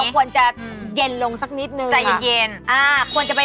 แก้เกล็ดใช่